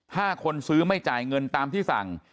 ถ้าคนซื้อไม่จ่ายเงินตามที่สั่ง